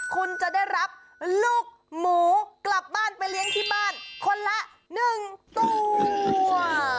คุณจะได้รับลูกหมูกลับบ้านไปเลี้ยงที่บ้านคนละ๑ตัว